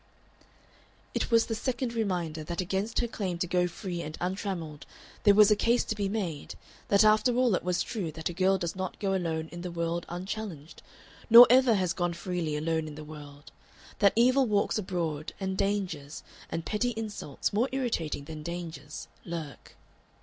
It was a second reminder that against her claim to go free and untrammelled there was a case to be made, that after all it was true that a girl does not go alone in the world unchallenged, nor ever has gone freely alone in the world, that evil walks abroad and dangers, and petty insults more irritating than dangers, lurk.